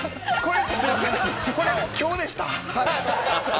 これ今日でした。